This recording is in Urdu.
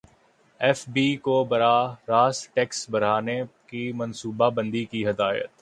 ایف بی کو براہ راست ٹیکس بڑھانے کی منصوبہ بندی کی ہدایت